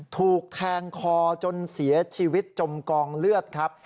ถูกแทงคอจนเสียชีวิตจมกองเลือดครับ